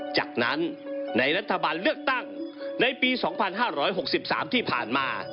จากนั้นในรัฐบาลเลือกตั้งในปี๒๕๖๓ที่ผ่านมา